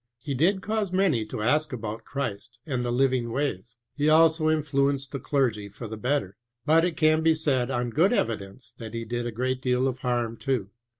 He did cause many to ask about Christ and the (475) living ways ; he also influenced the dersy for the better ; but it can be said on good evidences that he did a great deal of harm, too.